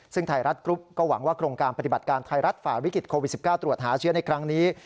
ซึ่งไทยรัฐกรุ๊ปก็หวังว่าโครงการปฏิบัติการไทยรัฐฝ่าวิกฤตโควิด๑๙ตรวจหาเชื้อในครั้งนี้